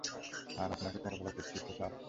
আর আপনাকে চলাফেরা করতে দিচ্ছে, স্যার।